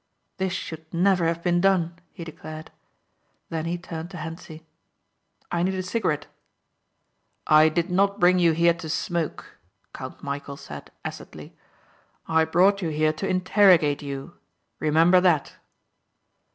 "This should never have been done," he declared. Then he turned to Hentzi. "I need a cigarette." "I did not bring you here to smoke," Count Michæl said acidly. "I brought you here to interrogate you. Remember that."